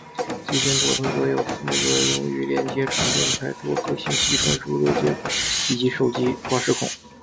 机身左侧则有四个用于连接充电台座和信息传输的接孔以及手机挂饰孔。